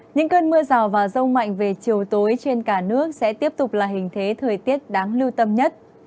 những cơn mưa rào và rông mạnh về chiều tối trên cả nước sẽ tiếp tục là hình thế thời tiết đáng lưu tâm nhất